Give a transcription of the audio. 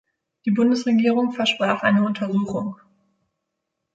Die Bundesregierung versprach eine Untersuchung.